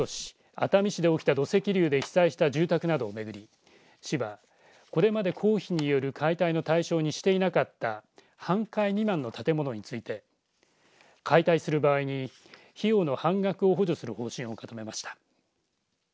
熱海市で起きた土石流で被災した住宅などを巡り市はこれまで公費による解体の対象にしていなかった半壊未満の建物について解体する場合に費用の半額を補助する方針を固めました。